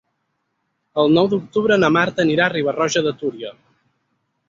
El nou d'octubre na Marta anirà a Riba-roja de Túria.